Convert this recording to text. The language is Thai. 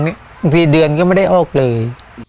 บางทีเดือนก็ไม่ได้ออกเลย